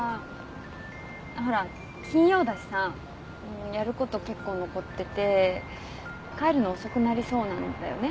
ほら金曜だしさやること結構残ってて帰るの遅くなりそうなんだよね。